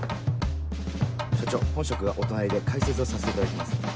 署長本職がお隣で解説をさせていただきます。